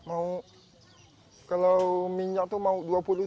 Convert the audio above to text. mau kalau minyak tuh mau dua puluh tiga puluh